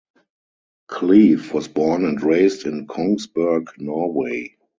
Cleve was born and raised in Kongsberg, Norway.